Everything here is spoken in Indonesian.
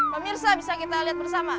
pemirsa bisa kita lihat bersama